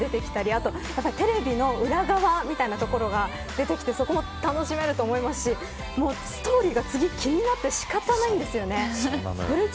あとテレビの裏側みたいなところが出てきてそこも楽しめると思いますしストーリーが次気になって仕方ないんですよね。